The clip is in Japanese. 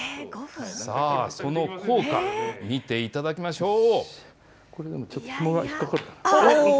さあ、その効果、見ていただきましょう。